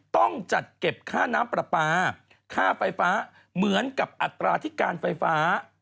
ต้องจัดเก็บค่าน้ำปลาปลาค่าไฟฟ้าเหมือนกับอัตราที่การไฟฟ้า